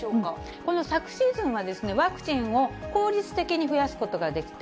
この昨シーズンは、ワクチンを効率的に増やすことができた。